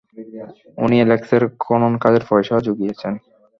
উনিই অ্যালেক্সের খননকাজের পয়সা জুগিয়েছেন!